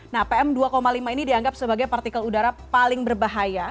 nah pm dua lima ini dianggap sebagai partikel udara paling berbahaya